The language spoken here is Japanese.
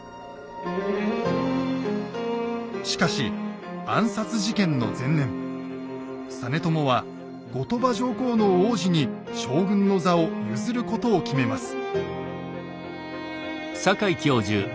しかし暗殺事件の前年実朝は後鳥羽上皇の皇子に将軍の座を譲ることを決めます。